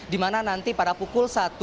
dimana nanti pada pukul satu